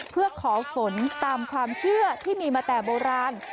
เพื่อขอฝนตามความเชื่อที่มีมาแต่โบราณ